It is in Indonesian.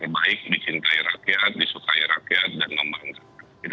baik dicintai rakyat disukai rakyat dan membanggakan